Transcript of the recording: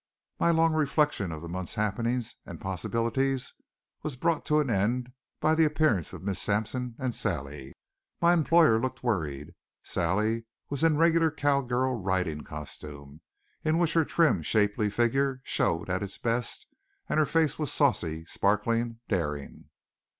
My long reflection on the month's happenings and possibilities was brought to an end by the appearance of Miss Sampson and Sally. My employer looked worried. Sally was in a regular cowgirl riding costume, in which her trim, shapely figure showed at its best, and her face was saucy, sparkling, daring.